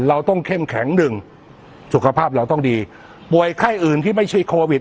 เราต้องเข้มแข็งหนึ่งสุขภาพเราต้องดีป่วยไข้อื่นที่ไม่ใช่โควิด